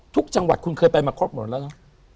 ทุกจังหวัดคุณเคยไปมาครบหมดแล้วเนอะ